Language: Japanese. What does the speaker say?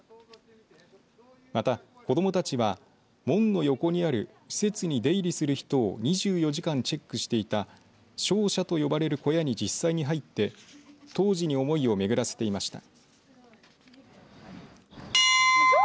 また、子どもたちは門の横にある施設に出入りする人を２４時間チェックしていた哨舎と呼ばれる小屋に実際に入って当時に思いを巡らせていました。